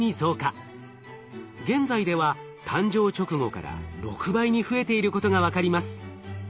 現在では誕生直後から６倍に増えていることが分かります。